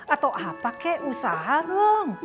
atau apa kek usaha dong